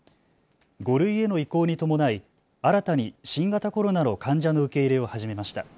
５類への移行に伴い新たに新型コロナの患者の受け入れを始めました。